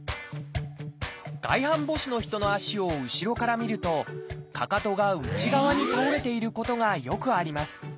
外反母趾の人の足を後ろから見るとかかとが内側に倒れていることがよくあります。